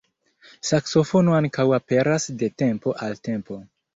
Saksofono ankaŭ aperas de tempo al tempo.